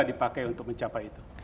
dipakai untuk mencapai itu